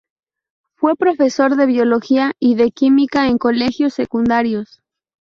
Fue profesor de biología y de química en colegios secundarios.